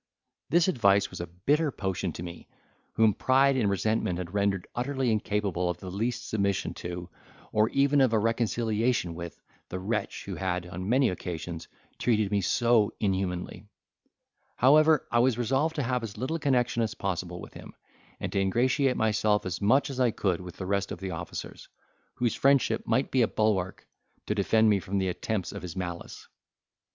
This advice was a bitter potion to me, whom pride and resentment had rendered utterly incapable of the least submission to, or even of a reconciliation with, the wretch who had, on many occasions, treated me so inhumanly: however, I resolved to have as little connection as possible with him, and to ingratiate myself as much as I could with the rest of the officers, whose friendship might be a bulwark to defend me from the attempts of his malice.